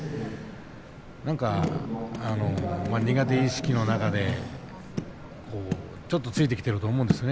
なんか苦手意識の中でそれがついてきてると思うんです